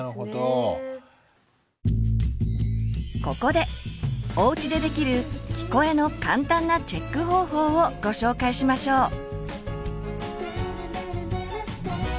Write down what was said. ここでおうちでできる「聞こえ」の簡単なチェック方法をご紹介しましょう。